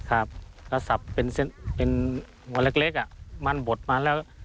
ครับก็สับเป็นเหล็กมันบดมาแล้ว